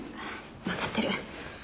わかってる。